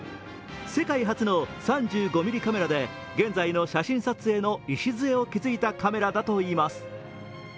世界初の３５ミリカメラで現在の写真撮影の礎を築いたカメラだといいます。